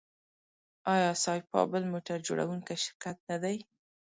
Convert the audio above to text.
آیا سایپا بل موټر جوړوونکی شرکت نه دی؟